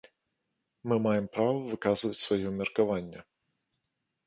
Мы маем права выказваць сваё меркаванне.